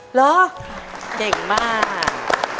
เหรอเก่งมาก